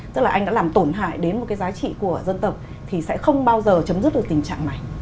tức là anh đã làm tổn hại đến một cái giá trị của dân tộc thì sẽ không bao giờ chấm dứt được tình trạng này